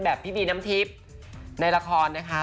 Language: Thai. พี่บีน้ำทิพย์ในละครนะคะ